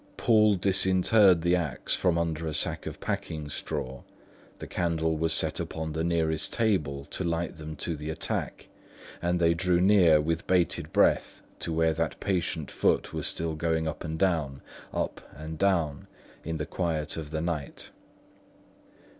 Poole disinterred the axe from under a stack of packing straw; the candle was set upon the nearest table to light them to the attack; and they drew near with bated breath to where that patient foot was still going up and down, up and down, in the quiet of the night.